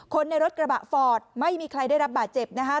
คนในรถกระบะฟอร์ดไม่มีใครได้รับบาดเจ็บนะคะ